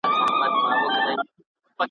آزمیېلی دی دا اصل په نسلونو `